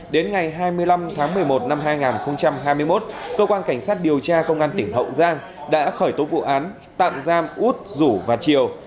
đến ngày hai mươi năm tháng một mươi một năm hai nghìn hai mươi một cơ quan cảnh sát điều tra công an tỉnh hậu giang đã khởi tố vụ án tạm giam út rủ và chiều